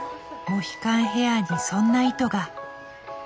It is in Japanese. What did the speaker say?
モヒカンヘアにそんな意図が。